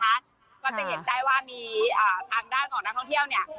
ก็จะเห็นได้ว่ามีทางด้านของนักท่องเที่ยวเนี่ย